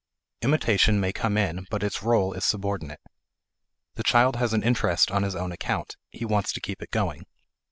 Imitation may come in but its role is subordinate. The child has an interest on his own account; he wants to keep it going.